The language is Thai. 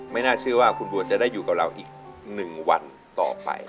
น่าเชื่อว่าคุณบัวจะได้อยู่กับเราอีก๑วันต่อไป